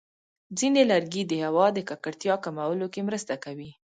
ځینې لرګي د هوا د ککړتیا کمولو کې مرسته کوي.